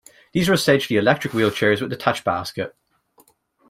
These are essentially electric wheelchairs with an attached basket.